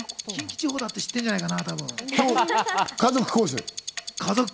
実家はね、近畿地方だって知っているんじゃないかな？